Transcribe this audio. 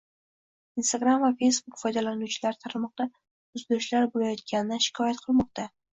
Instagram va Facebook foydalanuvchilari tarmoqda uzilishlar bo‘layotganidan shikoyat qilmoqdang